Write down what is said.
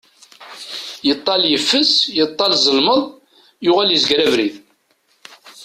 Yeṭall yeffes, yeṭall zelmeḍ, yuɣal izger abrid.